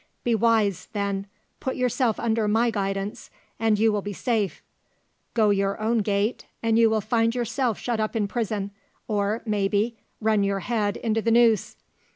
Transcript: Be wise, then, put yourself under my guidance, and you will be safe. Go your own gait, and you will find yourself shut up in prison, or, maybe, run your head into the noose.